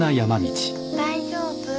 大丈夫？